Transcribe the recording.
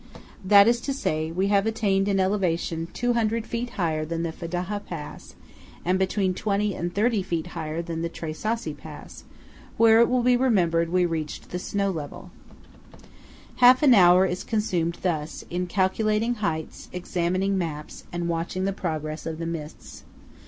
That is to say, we have attained an elevation 200 feet higher than the Fedaja pass, and between 20 and 30 feet higher than the Tre Sassi pass, where it will be remembered we reached the snow level. Half an hour is consumed thus, in calculating heights, examining maps, and watching the progress of the mists.